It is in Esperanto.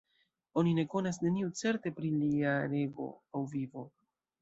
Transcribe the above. Oni ne konas neniu certe pri lia rego aŭ vivo.